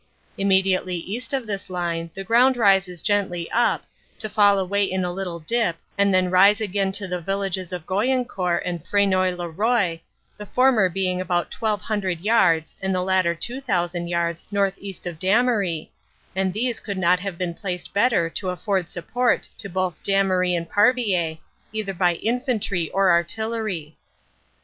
Immediately east of this line the ground rises gently up, to fall away in a little dip and then rise again to the villages of Goyencourt and Fresnoy lez Roye, the former being about 1,200 yards and the latter 2,000 yards northeast of Damery, and these could not have been placed better to afford support to both Damery and Parvillers, either by infantry or artillery.